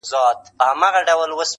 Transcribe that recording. ډېر پخوا په ډېرو لیري زمانو کي٫